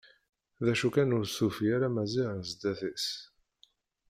D acu kan ur d-tufi ara Maziɣ sdat-s.